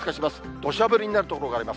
どしゃ降りになる所があります。